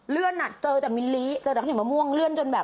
เลื่อนน่ะเจอแต่มะม่วงเลื่อนจนแบบ